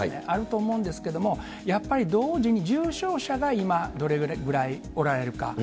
あると思うんですけども、やっぱり同時に重症者が今、どれぐらいおられるか。